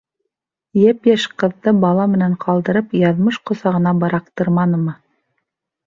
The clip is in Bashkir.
Йәп-йәш ҡыҙҙы бала менән ҡалдырып, яҙмыш ҡосағына быраҡтырманымы?